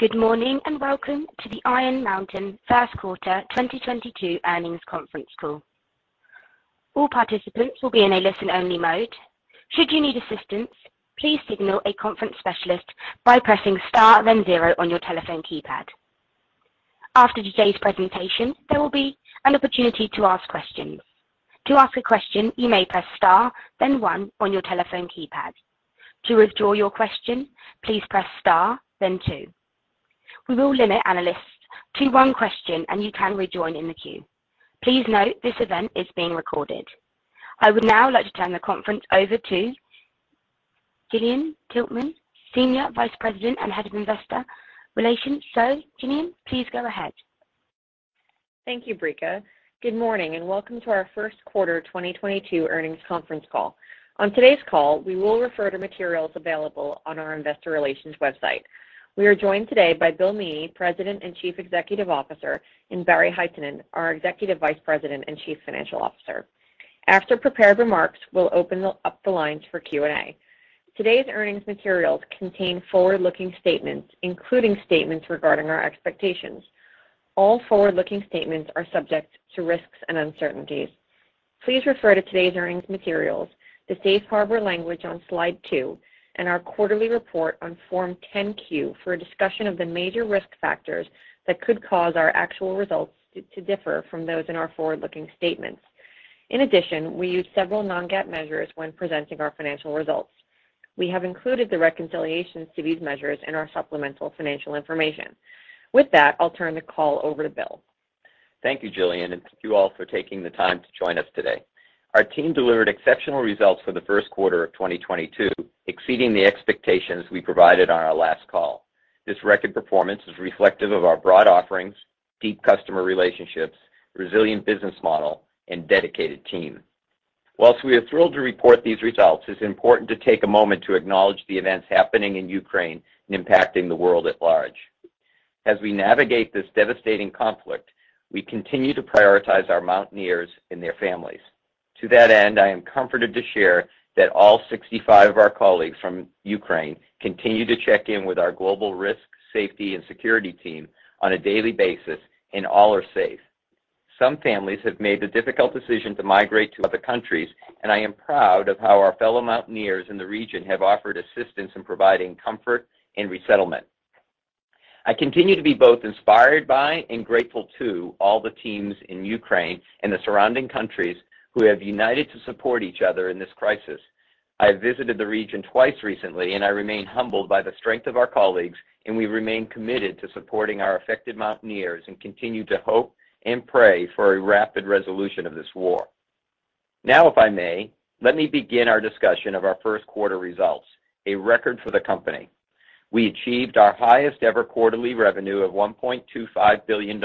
Good morning, and welcome to the Iron Mountain Q1 2022 earnings conference call. All participants will be in a listen-only mode. Should you need assistance, please signal a conference specialist by pressing Star then zero on your telephone keypad. After today's presentation, there will be an opportunity to ask questions. To ask a question, you may press Star then one on your telephone keypad. To withdraw your question, please press Star then two. We will limit analysts to one question, and you can rejoin in the queue. Please note this event is being recorded. I would now like to turn the conference over to Gillian Tiltman, Senior Vice President and Head of Investor Relations. Gillian, please go ahead. Thank you, Brica. Good morning, and welcome to our Q1 2022 earnings conference call. On today's call, we will refer to materials available on our investor relations website. We are joined today by Bill Meaney, President and Chief Executive Officer, and Barry Hytinen, our Executive Vice President and Chief Financial Officer. After prepared remarks, we'll open up the lines for Q&A. Today's earnings materials contain forward-looking statements, including statements regarding our expectations. All forward-looking statements are subject to risks and uncertainties. Please refer to today's earnings materials, the Safe Harbor language on slide two, and our quarterly report on Form 10-Q for a discussion of the major risk factors that could cause our actual results to differ from those in our forward-looking statements. In addition, we use several non-GAAP measures when presenting our financial results. We have included the reconciliations to these measures in our supplemental financial information. With that, I'll turn the call over to Bill. Thank you, Gillian, and thank you all for taking the time to join us today. Our team delivered exceptional results for the Q1 of 2022, exceeding the expectations we provided on our last call. This record performance is reflective of our broad offerings, deep customer relationships, resilient business model, and dedicated team. While we are thrilled to report these results, it's important to take a moment to acknowledge the events happening in Ukraine and impacting the world at large. As we navigate this devastating conflict, we continue to prioritize our Mountaineers and their families. To that end, I am comforted to share that all 65 of our colleagues from Ukraine continue to check in with our global risk, safety, and security team on a daily basis, and all are safe. Some families have made the difficult decision to migrate to other countries, and I am proud of how our fellow Mountaineers in the region have offered assistance in providing comfort and resettlement. I continue to be both inspired by and grateful to all the teams in Ukraine and the surrounding countries who have united to support each other in this crisis. I have visited the region twice recently, and I remain humbled by the strength of our colleagues, and we remain committed to supporting our affected Mountaineers and continue to hope and pray for a rapid resolution of this war. Now, if I may, let me begin our discussion of our Q1 results, a record for the company. We achieved our highest-ever quarterly revenue of $1.25 billion,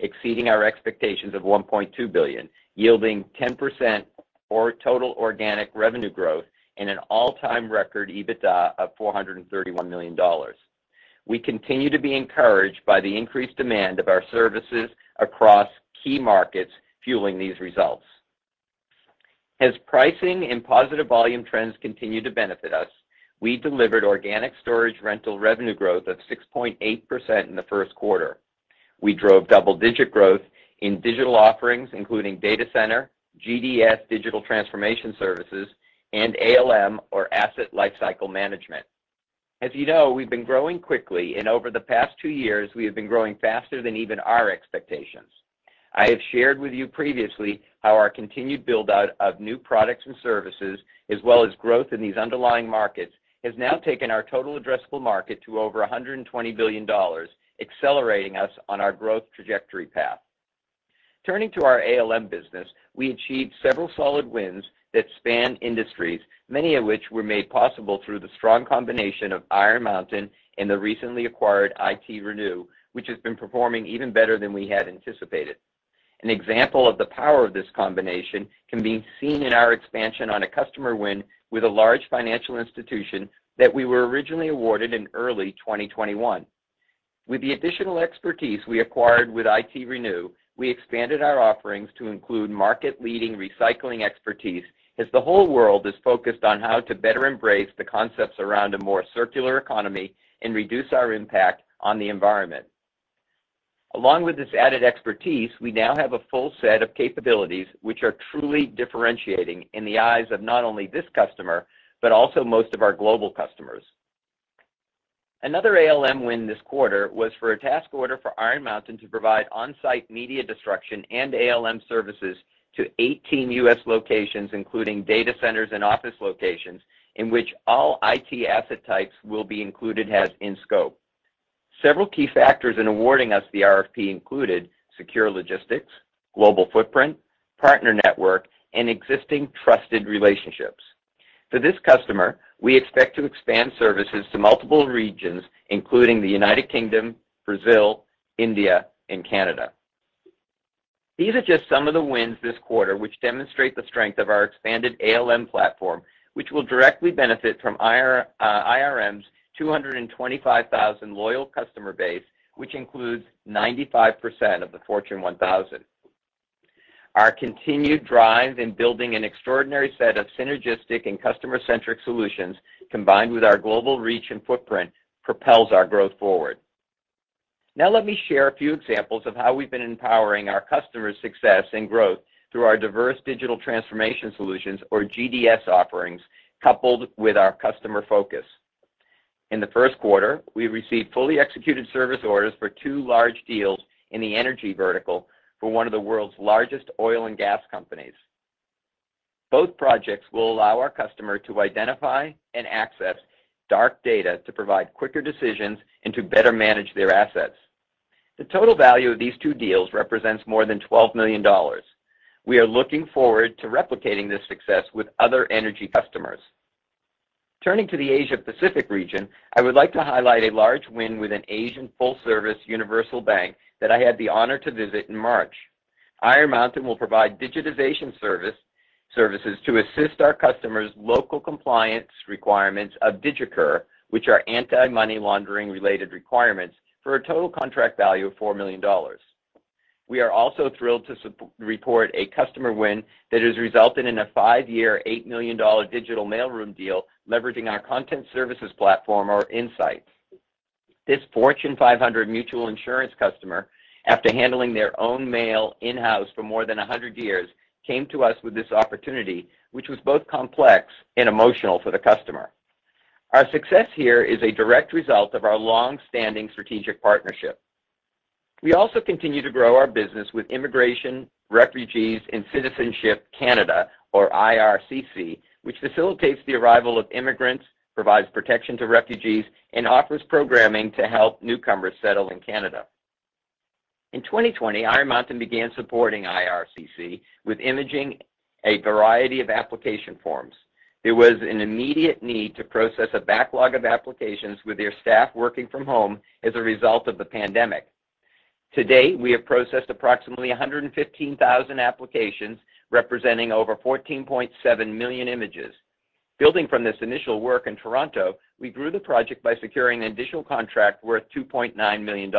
exceeding our expectations of $1.2 billion, yielding 10% total organic revenue growth and an all-time record EBITDA of $431 million. We continue to be encouraged by the increased demand of our services across key markets fueling these results. As pricing and positive volume trends continue to benefit us, we delivered organic storage rental revenue growth of 6.8% in the Q1. We drove double-digit growth in digital offerings, including data center, GDS digital transformation services, and ALM or Asset Lifecycle Management. As you know, we've been growing quickly, and over the past two years, we have been growing faster than even our expectations. I have shared with you previously how our continued build-out of new products and services, as well as growth in these underlying markets, has now taken our total addressable market to over $120 billion, accelerating us on our growth trajectory path. Turning to our ALM business, we achieved several solid wins that span industries, many of which were made possible through the strong combination of Iron Mountain and the recently acquired ITRenew, which has been performing even better than we had anticipated. An example of the power of this combination can be seen in our expansion on a customer win with a large financial institution that we were originally awarded in early 2021. With the additional expertise we acquired with ITRenew, we expanded our offerings to include market-leading recycling expertise as the whole world is focused on how to better embrace the concepts around a more circular economy and reduce our impact on the environment. Along with this added expertise, we now have a full set of capabilities which are truly differentiating in the eyes of not only this customer, but also most of our global customers. Another ALM win this quarter was for a task order for Iron Mountain to provide on-site media destruction and ALM services to 18 U.S. locations, including data centers and office locations, in which all IT asset types will be included as in scope. Several key factors in awarding us the RFP included secure logistics, global footprint, partner network, and existing trusted relationships. For this customer, we expect to expand services to multiple regions, including the United Kingdom, Brazil, India, and Canada. These are just some of the wins this quarter, which demonstrate the strength of our expanded ALM platform, which will directly benefit from IRM's 225,000 loyal customer base, which includes 95% of the Fortune 1000. Our continued drive in building an extraordinary set of synergistic and customer-centric solutions, combined with our global reach and footprint, propels our growth forward. Now let me share a few examples of how we've been empowering our customers' success and growth through our diverse digital transformation solutions or GDS offerings, coupled with our customer focus. In the Q1, we received fully executed service orders for two large deals in the energy vertical for one of the world's largest oil and gas companies. Both projects will allow our customer to identify and access dark data to provide quicker decisions and to better manage their assets. The total value of these two deals represents more than $12 million. We are looking forward to replicating this success with other energy customers. Turning to the Asia-Pacific region, I would like to highlight a large win with an Asian full-service universal bank that I had the honor to visit in March. Iron Mountain will provide digitization service, services to assist our customers' local compliance requirements of DigiKur, which are anti-money laundering related requirements for a total contract value of $4 million. We are also thrilled to report a customer win that has resulted in a five-year, $8 million digital mailroom deal leveraging our content services platform, InSight. This Fortune 500 mutual insurance customer, after handling their own mail in-house for more than 100 years, came to us with this opportunity, which was both complex and emotional for the customer. Our success here is a direct result of our long-standing strategic partnership. We also continue to grow our business with Immigration, Refugees, and Citizenship Canada, or IRCC, which facilitates the arrival of immigrants, provides protection to refugees, and offers programming to help newcomers settle in Canada. In 2020, Iron Mountain began supporting IRCC with imaging a variety of application forms. There was an immediate need to process a backlog of applications with their staff working from home as a result of the pandemic. To date, we have processed approximately 115,000 applications representing over 14.7 million images. Building from this initial work in Toronto, we grew the project by securing an additional contract worth $2.9 million.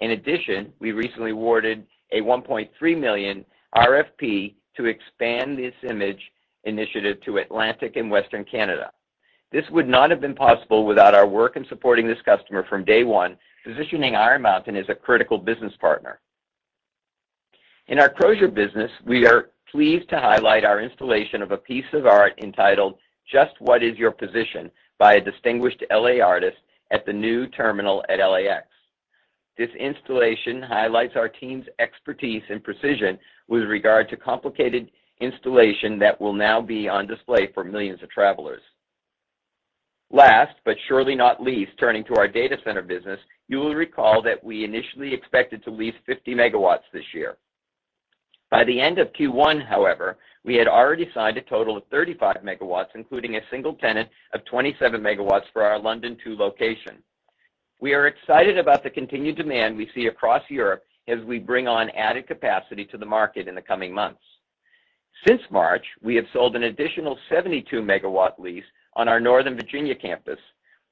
In addition, we recently awarded a $1.3 million RFP to expand this image initiative to Atlantic and Western Canada. This would not have been possible without our work in supporting this customer from day one, positioning Iron Mountain as a critical business partner. In our Crozier business, we are pleased to highlight our installation of a piece of art entitled Just What Is Your Position by a distinguished L.A. artist at the new terminal at LAX. This installation highlights our team's expertise and precision with regard to complicated installation that will now be on display for millions of travelers. Last, but surely not least, turning to our data center business, you will recall that we initially expected to lease 50 MW this year. By the end of Q1, however, we had already signed a total of 35 MW, including a single tenant of 27 MW for our London Two location. We are excited about the continued demand we see across Europe as we bring on added capacity to the market in the coming months. Since March, we have sold an additional 72 MW lease on our Northern Virginia campus.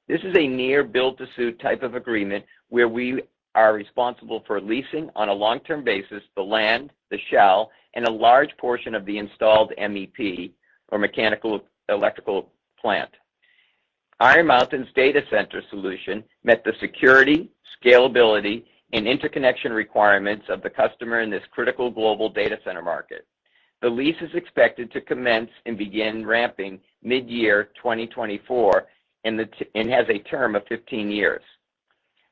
This is a near build-to-suit type of agreement where we are responsible for leasing on a long-term basis the land, the shell, and a large portion of the installed MEP, or mechanical, electrical, and plumbing. Iron Mountain's data center solution met the security, scalability, and interconnection requirements of the customer in this critical global data center market. The lease is expected to commence and begin ramping mid-year 2024 and has a term of 15 years.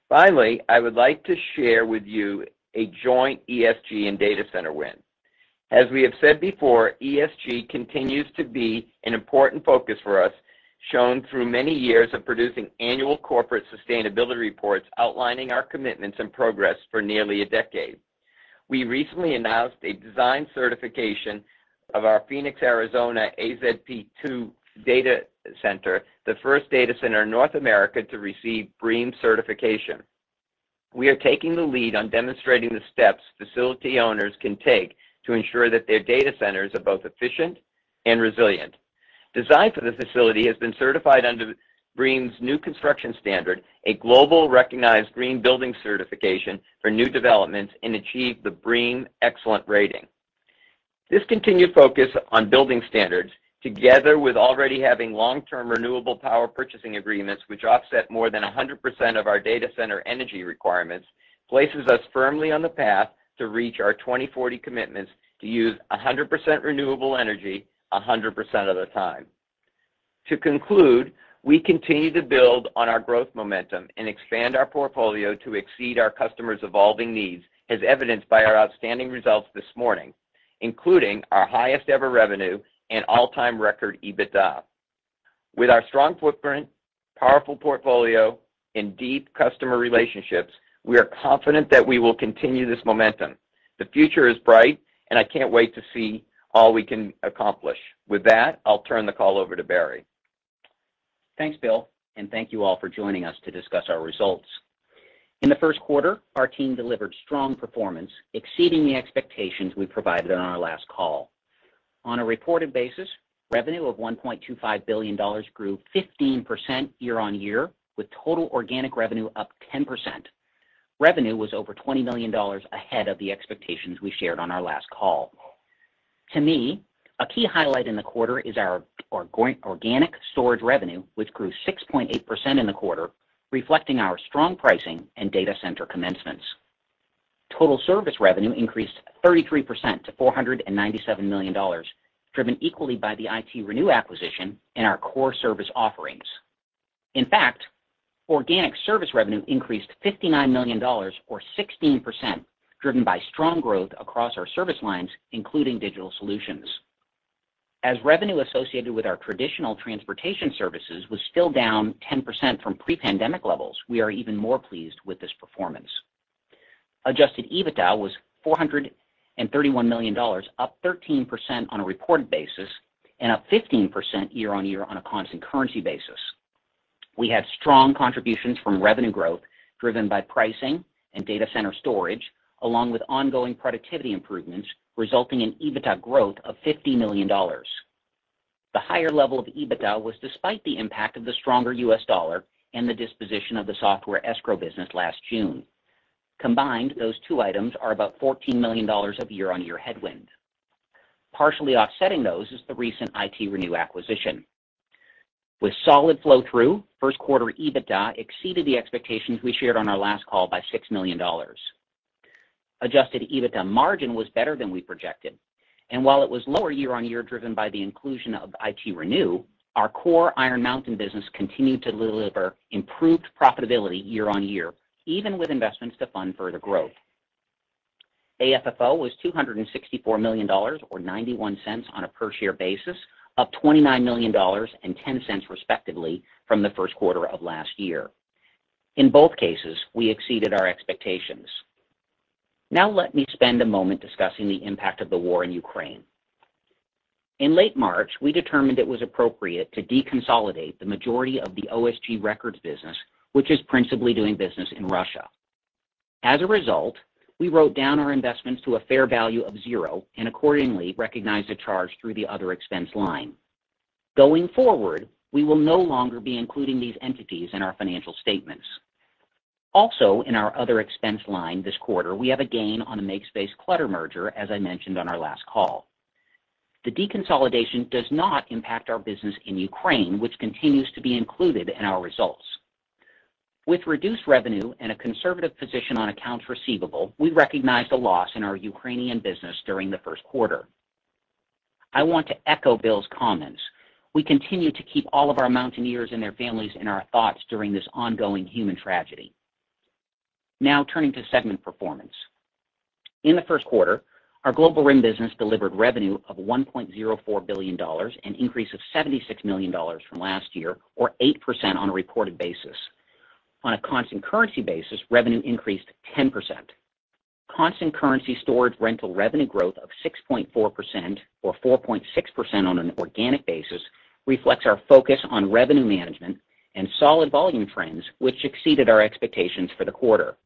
Finally, I would like to share with you a joint ESG and data center win. As we have said before, ESG continues to be an important focus for us, shown through many years of producing annual corporate sustainability reports outlining our commitments and progress for nearly a decade. We recently announced a design certification of our Phoenix, Arizona AZP-2 data center, the first data center in North America to receive BREEAM certification. We are taking the lead on demonstrating the steps facility owners can take to ensure that their data centers are both efficient and resilient. Design for the facility has been certified under BREEAM's new construction standard, a globally recognized green building certification for new developments, and achieved the BREEAM excellent rating. This continued focus on building standards, together with already having long-term renewable power purchasing agreements, which offset more than 100% of our data center energy requirements, places us firmly on the path to reach our 2040 commitments to use 100% renewable energy 100% of the time. To conclude, we continue to build on our growth momentum and expand our portfolio to exceed our customers' evolving needs, as evidenced by our outstanding results this morning, including our highest-ever revenue and all-time record EBITDA. With our strong footprint, powerful portfolio, and deep customer relationships, we are confident that we will continue this momentum. The future is bright, and I can't wait to see all we can accomplish. With that, I'll turn the call over to Barry. Thanks, Bill, and thank you all for joining us to discuss our results. In the Q1, our team delivered strong performance, exceeding the expectations we provided on our last call. On a reported basis, revenue of $1.25 billion grew 15% year-over-year with total organic revenue up 10%. Revenue was over $20 million ahead of the expectations we shared on our last call. To me, a key highlight in the quarter is our organic storage revenue, which grew 6.8% in the quarter, reflecting our strong pricing and data center commencements. Total service revenue increased 33% to $497 million, driven equally by the ITRenew acquisition and our core service offerings. In fact, organic service revenue increased $59 million or 16% driven by strong growth across our service lines, including digital solutions. As revenue associated with our traditional transportation services was still down 10% from pre-pandemic levels, we are even more pleased with this performance. Adjusted EBITDA was $431 million, up 13% on a reported basis and up 15% year-on-year on a constant currency basis. We had strong contributions from revenue growth driven by pricing and data center storage, along with ongoing productivity improvements resulting in EBITDA growth of $50 million. The higher level of EBITDA was despite the impact of the stronger US dollar and the disposition of the software escrow business last June. Combined, those two items are about $14 million of year-on-year headwind. Partially offsetting those is the recent ITRenew acquisition. With solid flow through, Q1 EBITDA exceeded the expectations we shared on our last call by $6 million. Adjusted EBITDA margin was better than we projected. While it was lower year-on-year driven by the inclusion of ITRenew, our core Iron Mountain business continued to deliver improved profitability year-on-year, even with investments to fund further growth. AFFO was $264 million or $0.91 per share, up $29 million and $0.10, respectively, from the first quarter of last year. In both cases, we exceeded our expectations. Now let me spend a moment discussing the impact of the war in Ukraine. In late March, we determined it was appropriate to deconsolidate the majority of the OSG Records Management business, which is principally doing business in Russia. As a result, we wrote down our investments to a fair value of zero and accordingly recognized a charge through the other expense line. Going forward, we will no longer be including these entities in our financial statements. Also in our other expense line this quarter, we have a gain on a MakeSpace and Clutter merger, as I mentioned on our last call. The deconsolidation does not impact our business in Ukraine, which continues to be included in our results. With reduced revenue and a conservative position on accounts receivable, we recognized a loss in our Ukrainian business during the Q1. I want to echo Bill's comments. We continue to keep all of our Mountaineers and their families in our thoughts during this ongoing human tragedy. Now turning to segment performance. In the Q1, our Global RIM business delivered revenue of $1.04 billion, an increase of $76 million from last year, or 8% on a reported basis. On a constant currency basis, revenue increased 10%. Constant currency storage rental revenue growth of 6.4% or 4.6% on an organic basis reflects our focus on revenue management and solid volume trends, which exceeded our expectations for the quarter.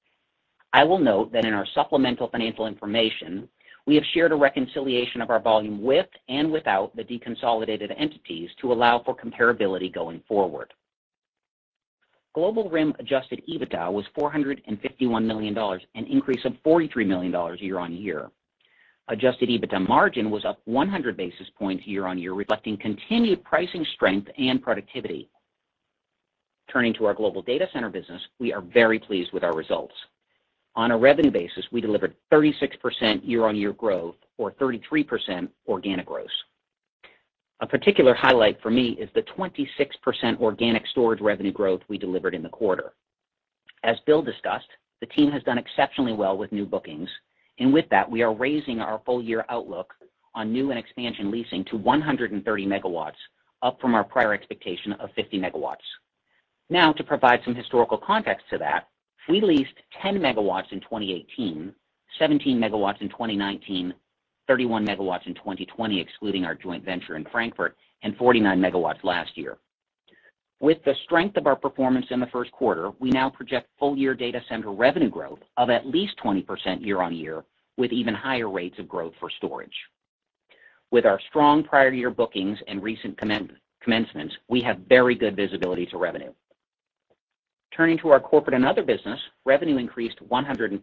I will note that in our supplemental financial information, we have shared a reconciliation of our volume with and without the deconsolidated entities to allow for comparability going forward. Global RIM Adjusted EBITDA was $451 million, an increase of $43 million year-on-year. Adjusted EBITDA margin was up 100 basis points year-on-year, reflecting continued pricing strength and productivity. Turning to our Global Data Center business, we are very pleased with our results. On a revenue basis, we delivered 36% year-on-year growth or 33% organic growth. A particular highlight for me is the 26% organic storage revenue growth we delivered in the quarter. As Bill discussed, the team has done exceptionally well with new bookings, and with that, we are raising our full year outlook on new and expansion leasing to 130 MW, up from our prior expectation of 50 MW. Now, to provide some historical context to that, we leased 10 MW in 2018, 17 MW in 2019, 31 MW in 2020, excluding our joint venture in Frankfurt, and 49 MW last year. With the strength of our performance in the Q1, we now project full-year data center revenue growth of at least 20% year-on-year, with even higher rates of growth for storage. With our strong prior year bookings and recent commencements, we have very good visibility to revenue. Turning to our corporate and other business, revenue increased 146%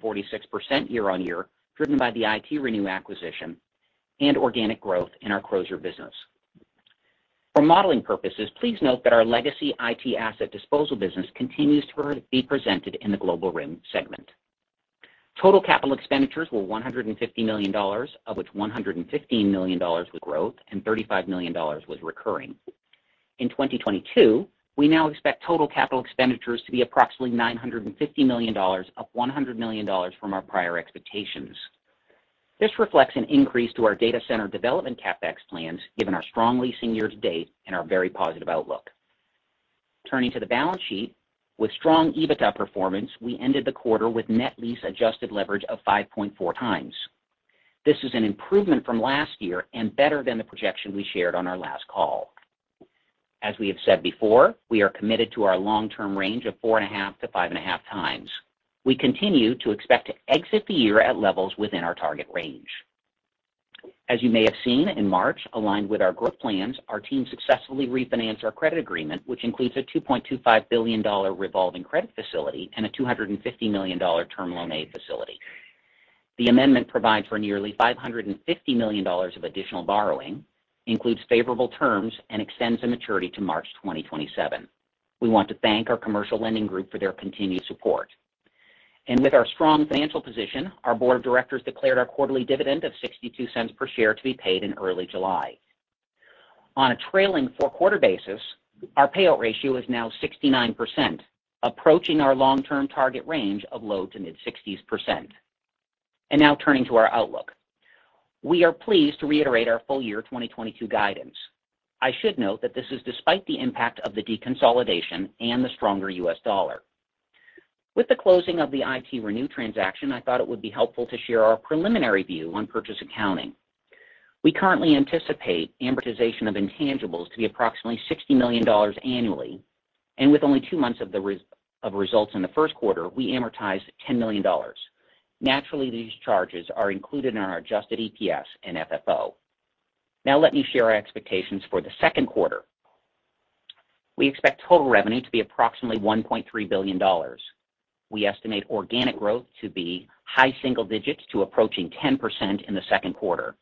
year-on-year, driven by the ITRenew acquisition and organic growth in our closure business. For modeling purposes, please note that our legacy IT asset disposal business continues to be presented in the Global RIM segment. Total capital expenditures were $150 million, of which $115 million was growth and $35 million was recurring. In 2022, we now expect total capital expenditures to be approximately $950 million, up $100 million from our prior expectations. This reflects an increase to our data center development CapEx plans given our strong leasing year to date and our very positive outlook. Turning to the balance sheet. With strong EBITDA performance, we ended the quarter with net lease adjusted leverage of 5.4 times. This is an improvement from last year and better than the projection we shared on our last call. As we have said before, we are committed to our long-term range of 4.5-5.5 times. We continue to expect to exit the year at levels within our target range. As you may have seen in March, aligned with our growth plans, our team successfully refinanced our credit agreement, which includes a $2.25 billion revolving credit facility and a $250 million term loan A facility. The amendment provides for nearly $550 million of additional borrowing, includes favorable terms and extends the maturity to March 2027. We want to thank our commercial lending group for their continued support. With our strong financial position, our board of directors declared our quarterly dividend of $0.62 per share to be paid in early July. On a trailing four quarter basis, our payout ratio is now 69%, approaching our long-term target range of low- to mid-60s%. Now turning to our outlook. We are pleased to reiterate our full year 2022 guidance. I should note that this is despite the impact of the deconsolidation and the stronger US dollar. With the closing of the ITRenew transaction, I thought it would be helpful to share our preliminary view on purchase accounting. We currently anticipate amortization of intangibles to be approximately $60 million annually, and with only two months of the rest of results in the Q1, we amortized $10 million. Naturally, these charges are included in our adjusted EPS and FFO. Now let me share our expectations for the Q2. We expect total revenue to be approximately $1.3 billion. We estimate organic growth to be high single digits to approaching 10% in the Q2.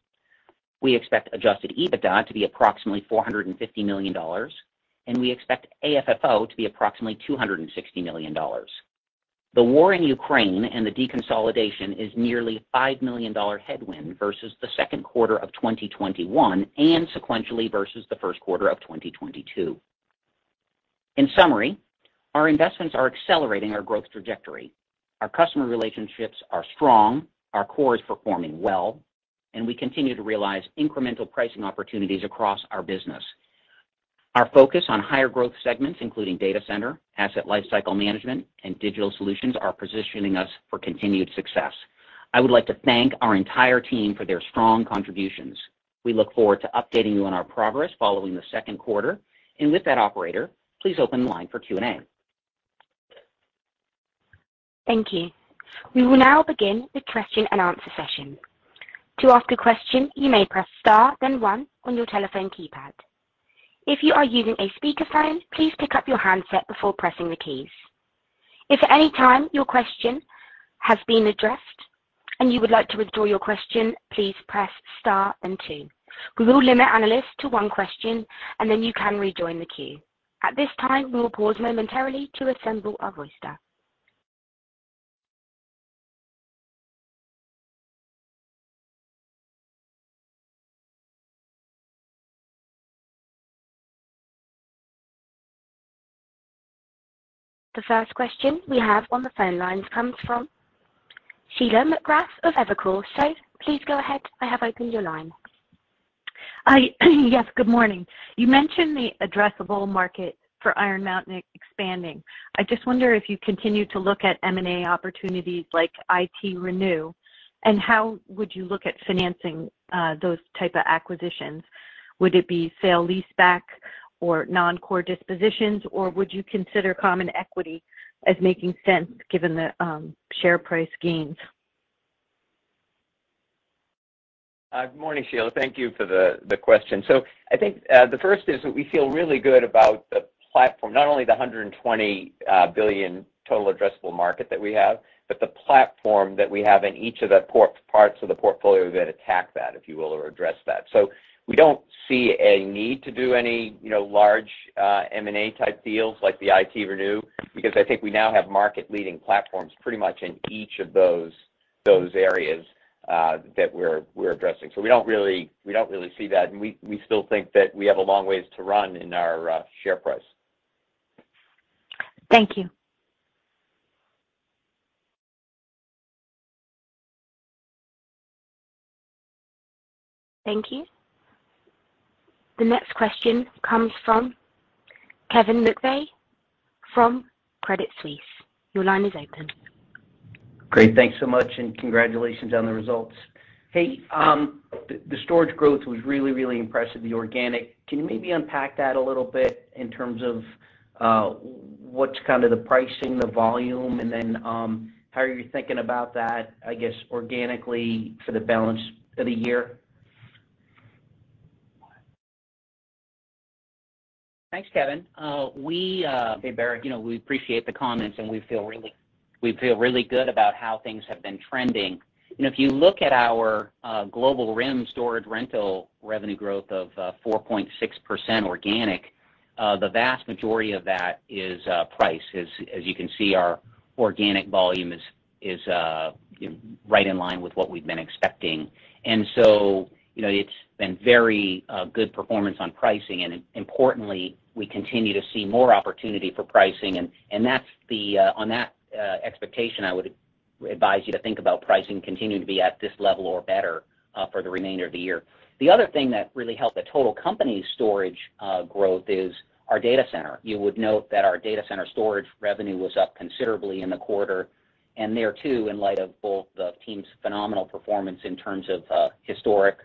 We expect adjusted EBITDA to be approximately $450 million, and we expect AFFO to be approximately $260 million. The war in Ukraine and the deconsolidation is nearly $5 million headwind versus the Q2 of 2021 and sequentially versus the Q1 of 2022. In summary, our investments are accelerating our growth trajectory. Our customer relationships are strong. Our core is performing well, and we continue to realize incremental pricing opportunities across our business. Our focus on higher growth segments, including data center, asset lifecycle management, and digital solutions, are positioning us for continued success. I would like to thank our entire team for their strong contributions. We look forward to updating you on our progress following the Q2. With that operator, please open the line for Q&A. Thank you. We will now begin the question and answer session. To ask a question, you may press star, then one on your telephone keypad. If you are using a speakerphone, please pick up your handset before pressing the keys. If at any time your question has been addressed and you would like to withdraw your question, please press star and two. We will limit analysts to one question, and then you can rejoin the queue. At this time, we will pause momentarily to assemble our roster. The first question we have on the phone lines comes from Sheila McGrath of Evercore. Please go ahead. I have opened your line. Yes, good morning. You mentioned the addressable market for Iron Mountain expanding. I just wonder if you continue to look at M&A opportunities like ITRenew, and how would you look at financing those type of acquisitions? Would it be sale leaseback or non-core dispositions, or would you consider common equity as making sense given the share price gains? Good morning, Sheila. Thank you for the question. I think the first is that we feel really good about the platform, not only the 120 billion total addressable market that we have, but the platform that we have in each of the parts of the portfolio that attack that, if you will, or address that. We don't see a need to do any, you know, large M&A type deals like the ITRenew, because I think we now have market-leading platforms pretty much in each of those areas that we're addressing. We don't really see that, and we still think that we have a long ways to run in our share price. Thank you. Thank you. The next question comes from Kevin McVeigh from Credit Suisse. Your line is open. Great. Thanks so much, and congratulations on the results. Hey, the storage growth was really impressive, the organic. Can you maybe unpack that a little bit in terms of what's kind of the pricing, the volume, and then how are you thinking about that, I guess organically for the balance of the year? Thanks, Kevin. You know, we appreciate the comments, and we feel really good about how things have been trending. You know, if you look at our Global RIM storage rental revenue growth of 4.6% organic, the vast majority of that is price. As you can see, our organic volume is right in line with what we've been expecting. You know, it's been very good performance on pricing. Importantly, we continue to see more opportunity for pricing. That's the on that expectation, I would advise you to think about pricing continuing to be at this level or better for the remainder of the year. The other thing that really helped the total company storage growth is our data center. You would note that our data center storage revenue was up considerably in the quarter. There too, in light of both the team's phenomenal performance in terms of historic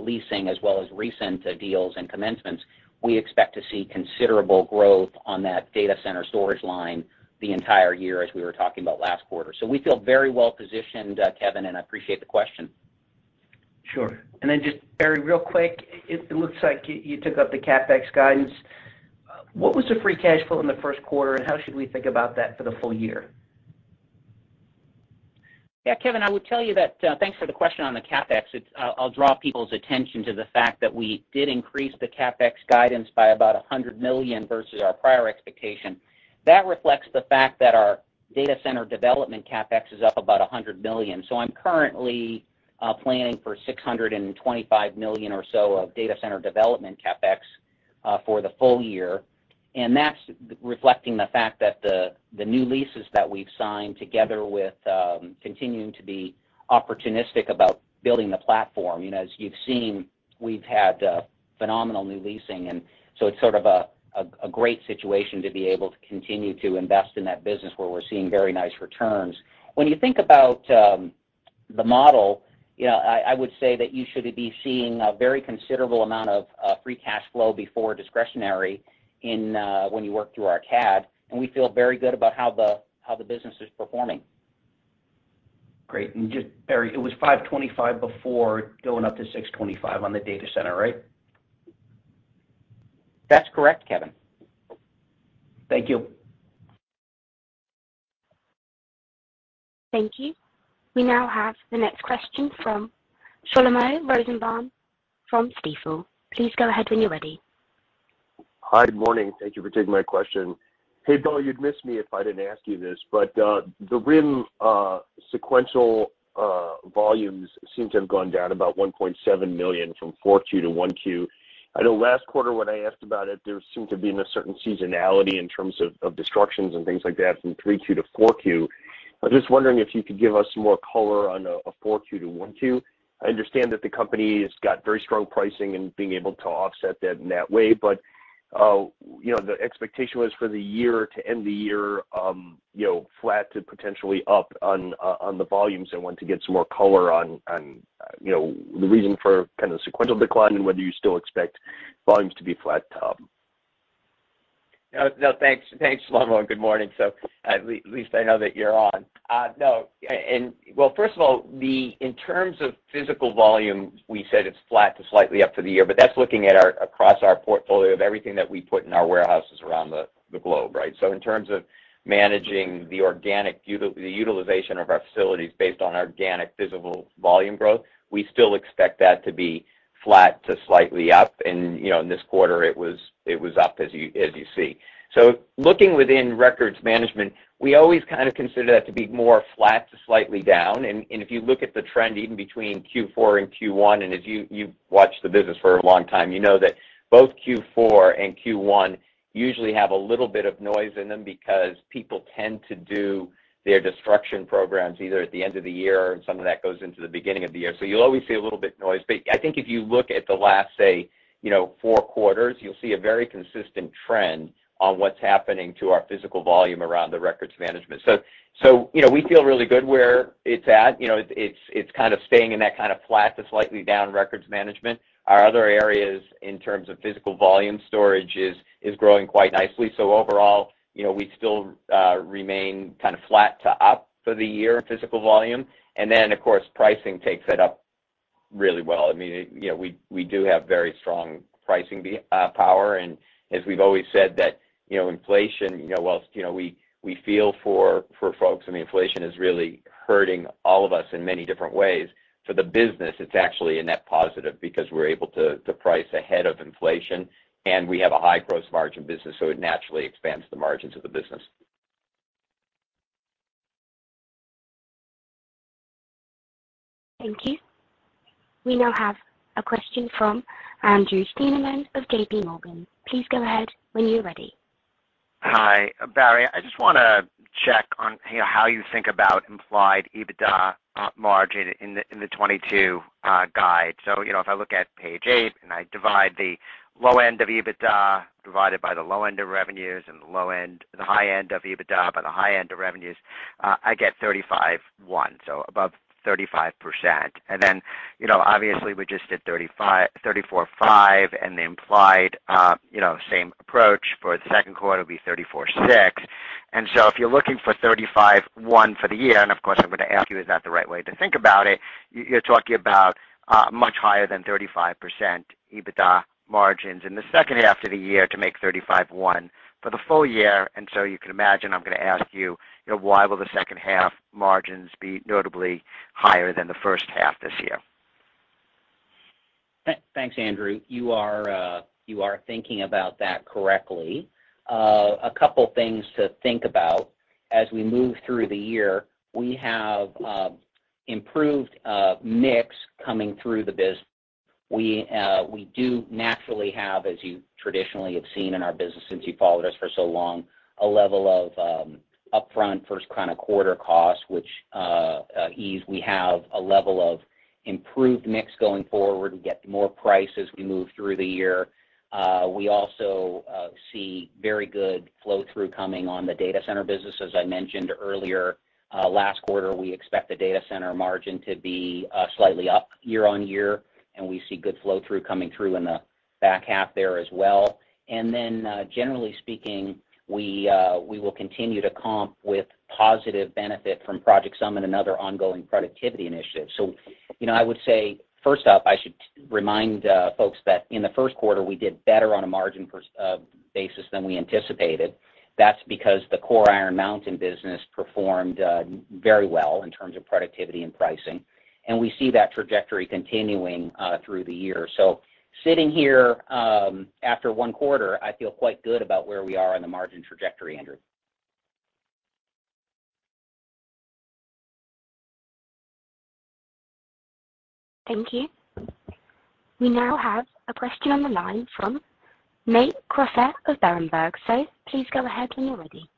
leasing as well as recent deals and commencements, we expect to see considerable growth on that data center storage line the entire year as we were talking about last quarter. We feel very well positioned, Kevin, and I appreciate the question. Sure. Just Barry, real quick, it looks like you took up the CapEx guidance. What was the free cash flow in the Q1, and how should we think about that for the full year? Yeah, Kevin, I would tell you that, thanks for the question on the CapEx. I'll draw people's attention to the fact that we did increase the CapEx guidance by about $100 million versus our prior expectation. That reflects the fact that our data center development CapEx is up about $100 million. I'm currently planning for $625 million or so of data center development CapEx for the full year, and that's reflecting the fact that the new leases that we've signed together with continuing to be opportunistic about building the platform. You know, as you've seen, we've had phenomenal new leasing, and so it's sort of a great situation to be able to continue to invest in that business where we're seeing very nice returns. When you think about the model, you know, I would say that you should be seeing a very considerable amount of free cash flow before discretionary when you work through our CAD, and we feel very good about how the business is performing. Great. Just Barry, it was $525 before going up to $625 on the data center, right? That's correct, Kevin. Thank you. Thank you. We now have the next question from Shlomo Rosenbaum from Stifel. Please go ahead when you're ready. Hi, good morning. Thank you for taking my question. Hey, Bill, you'd miss me if I didn't ask you this, but the RIM sequential volumes seem to have gone down about 1.7 million from 4Q to 1Q. I know last quarter when I asked about it, there seemed to be a certain seasonality in terms of destructions and things like that from 3Q to 4Q. I'm just wondering if you could give us some more color on a 4Q to 1Q. I understand that the company has got very strong pricing and being able to offset that in that way. You know, the expectation was for the year to end the year flat to potentially up on the volumes. I want to get some more color on, you know, the reason for kind of sequential decline and whether you still expect volumes to be flat top. No, no, thanks. Thanks, Shlomo. Good morning. At least I know that you're on. No. Well, first of all, in terms of physical volume, we said it's flat to slightly up for the year, but that's looking at across our portfolio of everything that we put in our warehouses around the globe, right? In terms of managing the organic utilization of our facilities based on organic physical volume growth, we still expect that to be flat to slightly up. You know, in this quarter, it was up as you see. Looking within records management, we always kind of consider that to be more flat to slightly down. If you look at the trend even between Q4 and Q1, and as you've watched the business for a long time, you know that both Q4 and Q1 usually have a little bit of noise in them because people tend to do their destruction programs either at the end of the year or some of that goes into the beginning of the year. You'll always see a little bit noise. But I think if you look at the last, say, you know, four quarters, you'll see a very consistent trend on what's happening to our physical volume around the records management. So, you know, we feel really good where it's at. You know, it's kind of staying in that kind of flat to slightly down records management. Our other areas in terms of physical volume storage is growing quite nicely. Overall, you know, we still remain kind of flat to up for the year in physical volume. Then of course, pricing takes it up really well. I mean, you know, we do have very strong pricing power. As we've always said that, you know, inflation, you know, while, you know, we feel for folks, I mean, inflation is really hurting all of us in many different ways. For the business, it's actually a net positive because we're able to price ahead of inflation, and we have a high gross margin business, so it naturally expands the margins of the business. Thank you. We now have a question from Andrew Steinerman of JPMorgan. Please go ahead when you're ready. Hi, Barry. I just wanna check on, you know, how you think about implied EBITDA margin in the 2022 guide. You know, if I look at page eighth and I divide the low end of EBITDA by the low end of revenues and the high end of EBITDA by the high end of revenues, I get 35.1%, so above 35%. Then, you know, obviously we just did 34.5% and the implied, you know, same approach for the Q2 will be 34.6%. If you're looking for 35.1% for the year, and of course, I'm gonna ask you, is that the right way to think about it? You're talking about much higher than 35% EBITDA margins in the second half of the year to make 35.1%% for the full year. You can imagine, I'm gonna ask you know, why will the second half margins be notably higher than the first half this year? Thanks, Andrew. You are thinking about that correctly. A couple things to think about. As we move through the year, we have improved mix coming through the business. We do naturally have, as you traditionally have seen in our business since you followed us for so long, a level of upfront first kind of quarter cost, which eases. We have a level of improved mix going forward. We get more price as we move through the year. We also see very good flow-through coming on the data center business. As I mentioned earlier, last quarter, we expect the data center margin to be slightly up year-over-year, and we see good flow-through coming through in the back half there as well. Generally speaking, we will continue to comp with positive benefit from Project Summit and other ongoing productivity initiatives. You know, I would say, first off, I should remind folks that in the Q1, we did better on a margin basis than we anticipated. That's because the core Iron Mountain business performed very well in terms of productivity and pricing, and we see that trajectory continuing through the year. Sitting here, after one quarter, I feel quite good about where we are in the margin trajectory, Andrew. Thank you. We now have a question on the line from Nate Crossett of Berenberg. Please go ahead when you're ready.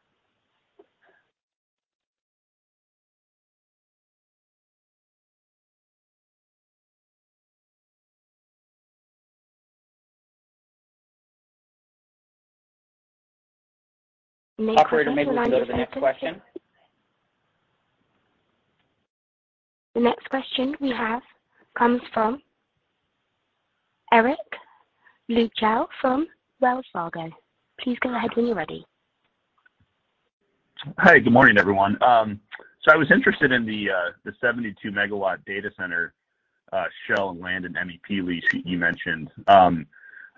Nate, your line is open. Operator, maybe we can go to the next question. The next question we have comes from Eric Luebchow from Wells Fargo. Please go ahead when you're ready. Hi. Good morning, everyone. I was interested in the 72-MW data center, shell and land and MEP lease that you mentioned. I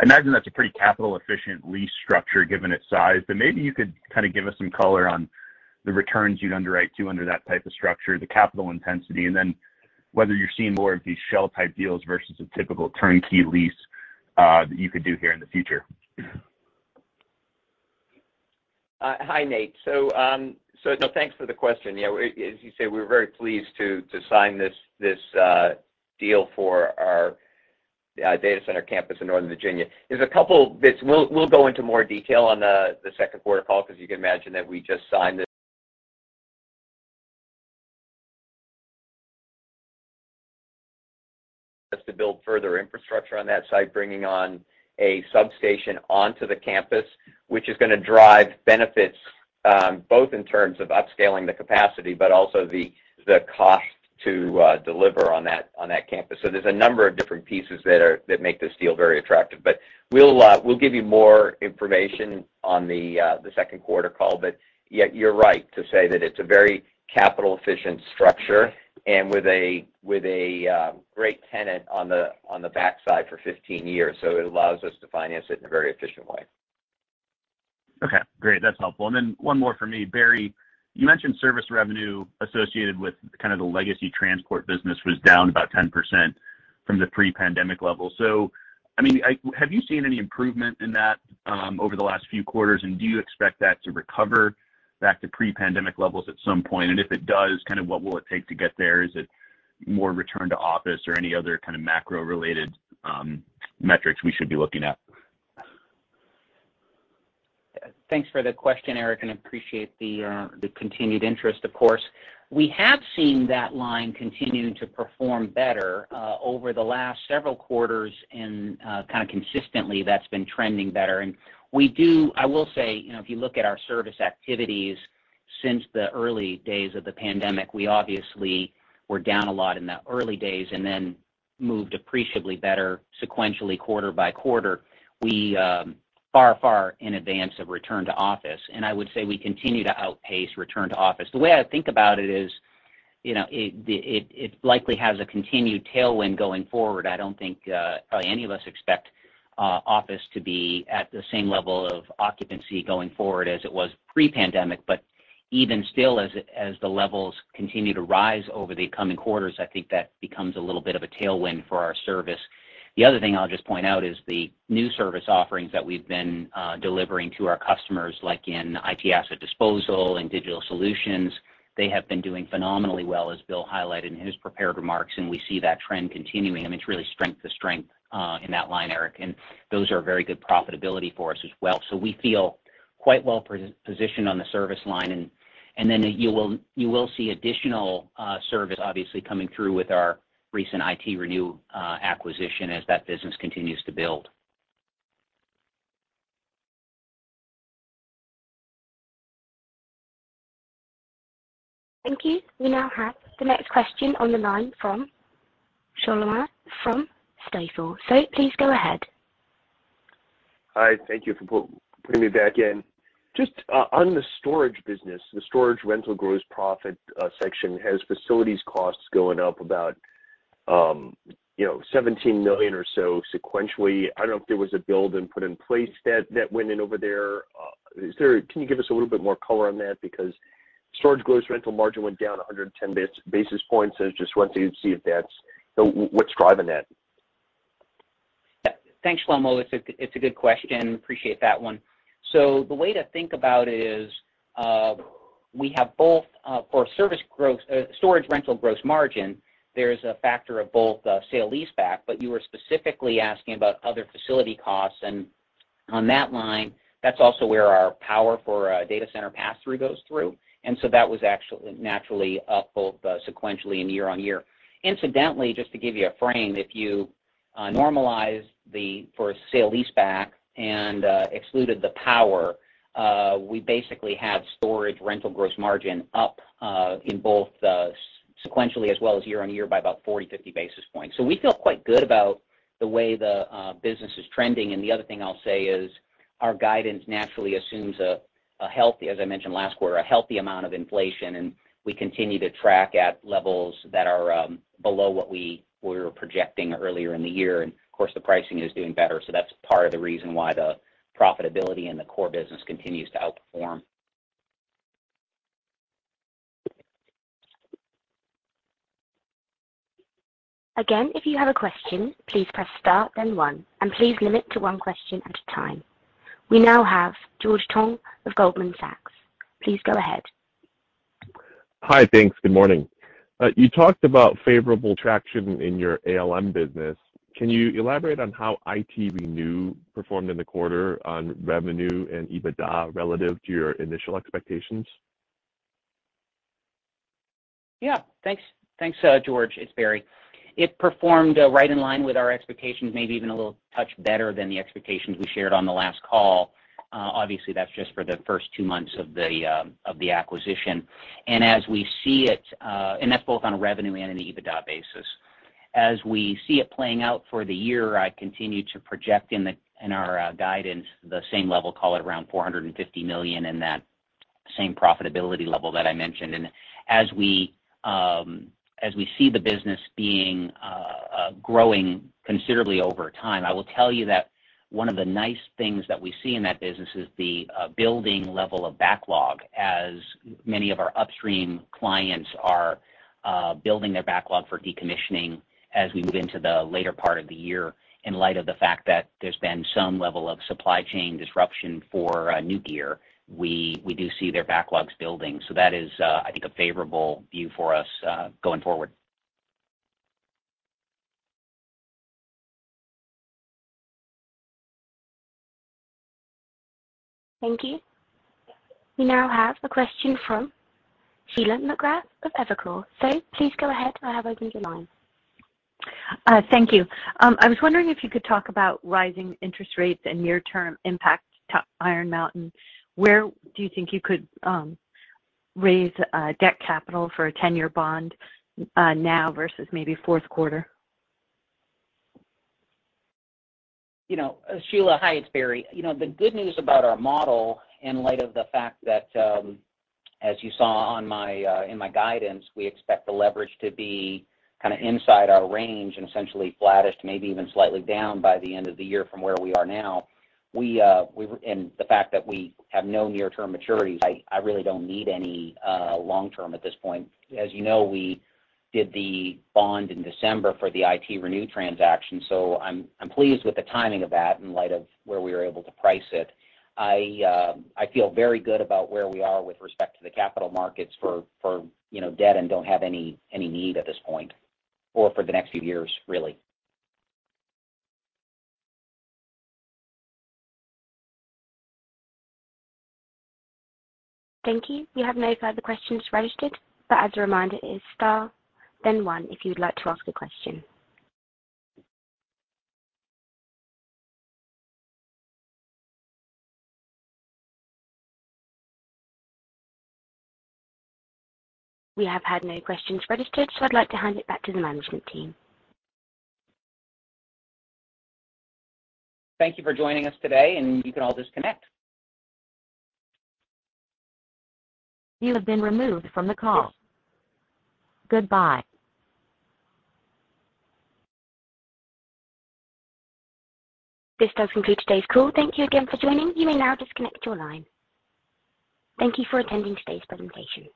imagine that's a pretty capital-efficient lease structure given its size, but maybe you could kind of give us some color on the returns you'd underwrite to that type of structure, the capital intensity, and then whether you're seeing more of these shell-type deals versus a typical turnkey lease that you could do here in the future. Hi, Nate. Thanks for the question. Yeah, as you say, we're very pleased to sign this deal for our data center campus in Northern Virginia. There's a couple bits. We'll go into more detail on the Q2 call, 'cause you can imagine that we just signed this to build further infrastructure on that site, bringing on a substation onto the campus, which is gonna drive benefits both in terms of upscaling the capacity, but also the cost to deliver on that campus. There's a number of different pieces that make this deal very attractive. We'll give you more information on the Q2 call. Yeah, you're right to say that it's a very capital efficient structure and with a great tenant on the backside for 15 years. It allows us to finance it in a very efficient way. Okay, great. That's helpful. Then one more for me. Barry, you mentioned service revenue associated with kind of the legacy transport business was down about 10% from the pre-pandemic level. I mean, have you seen any improvement in that over the last few quarters, and do you expect that to recover back to pre-pandemic levels at some point? If it does, kind of what will it take to get there? Is it more return to office or any other kind of macro related metrics we should be looking at? Thanks for the question, Eric, and appreciate the continued interest, of course. We have seen that line continue to perform better over the last several quarters. Kind of consistently that's been trending better. I will say, you know, if you look at our service activities since the early days of the pandemic, we obviously were down a lot in the early days and then moved appreciably better sequentially quarter by quarter. We far in advance of return to office, and I would say we continue to outpace return to office. The way I think about it is, you know, it likely has a continued tailwind going forward. I don't think probably any of us expect office to be at the same level of occupancy going forward as it was pre-pandemic. Even still, as the levels continue to rise over the coming quarters, I think that becomes a little bit of a tailwind for our service. The other thing I'll just point out is the new service offerings that we've been delivering to our customers, like in IT asset disposal and digital solutions. They have been doing phenomenally well, as Bill highlighted in his prepared remarks, and we see that trend continuing. I mean, it's really strength to strength in that line, Eric, and those are very good profitability for us as well. We feel quite well positioned on the service line. You will see additional service obviously coming through with our recent ITRenew acquisition as that business continues to build. Thank you. We now have the next question on the line from Shlomo from Stifel. Please go ahead. Hi. Thank you for putting me back in. Just on the storage business, the storage rental gross profit section has facilities costs going up about $17 million or so sequentially. I don't know if there was a build and put in place that went in over there. Can you give us a little bit more color on that? Because storage gross rental margin went down 110 basis points. I just wanted to see if that's what's driving that? Yeah. Thanks, Shlomo. It's a good question. Appreciate that one. The way to think about it is, we have both, for service growth, storage rental gross margin. There's a factor of both, sale-leaseback, but you were specifically asking about other facility costs. On that line, that's also where our power for data center pass-through goes through. That was actually naturally up both sequentially and year-on-year. Incidentally, just to give you a frame, if you normalize for sale-leaseback and exclude the power, we basically have storage rental gross margin up in both sequentially as well as year-on-year by about 40-50 basis points. We feel quite good about the way the business is trending. The other thing I'll say is our guidance naturally assumes a healthy amount of inflation, as I mentioned last quarter. We continue to track at levels that are below what we were projecting earlier in the year. Of course, the pricing is doing better. That's part of the reason why the profitability in the core business continues to outperform. Again, if you have a question, please press star then one, and please limit to one question at a time. We now have George Tong of Goldman Sachs. Please go ahead. Hi. Thanks. Good morning. You talked about favorable traction in your ALM business. Can you elaborate on how ITRenew performed in the quarter on revenue and EBITDA relative to your initial expectations? Yeah, thanks. Thanks, George. It's Barry. It performed right in line with our expectations, maybe even a little touch better than the expectations we shared on the last call. Obviously that's just for the first two months of the acquisition. As we see it, and that's both on a revenue and an EBITDA basis. As we see it playing out for the year, I continue to project in our guidance the same level, call it around $450 million in that same profitability level that I mentioned. As we see the business being growing considerably over time, I will tell you that one of the nice things that we see in that business is the building level of backlog. As many of our upstream clients are building their backlog for decommissioning as we move into the later part of the year. In light of the fact that there's been some level of supply chain disruption for new gear, we do see their backlogs building. That is, I think, a favorable view for us going forward. Thank you. We now have a question from Sheila McGrath of Evercore. Please go ahead. I have opened your line. Thank you. I was wondering if you could talk about rising interest rates and near-term impact to Iron Mountain. Where do you think you could raise debt capital for a 10-year bond now versus maybe Q4? You know, Sheila. Hi, it's Barry. You know, the good news about our model in light of the fact that, as you saw in my guidance, we expect the leverage to be kind of inside our range and essentially flattest, maybe even slightly down by the end of the year from where we are now. And the fact that we have no near-term maturities, I really don't need any long term at this point. As you know, we did the bond in December for the ITRenew transaction, so I'm pleased with the timing of that in light of where we were able to price it. I feel very good about where we are with respect to the capital markets for, you know, debt and don't have any need at this point or for the next few years really. Thank you. We have no further questions registered. As a reminder, it is star then one if you'd like to ask a question. We have had no questions registered. I'd like to hand it back to the management team. Thank you for joining us today. You can all disconnect. You have been removed from the call. Goodbye. This does conclude today's call. Thank you again for joining. You may now disconnect your line. Thank you for attending today's presentation.